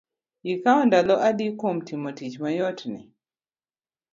Ikao ndalo adi timo tich mayot ni?